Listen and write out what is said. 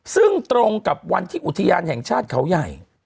ซึ่งตรงกับวันที่อุทยานแห่งชาติเขาใหญ่